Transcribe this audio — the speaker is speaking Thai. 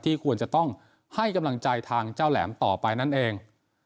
ควรจะต้องให้กำลังใจทางเจ้าแหลมต่อไปนั่นเอง